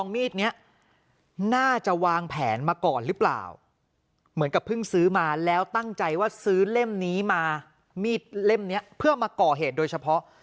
มีดเล่มนี้เพื่อมาก่อเหตุโดยเฉพาะ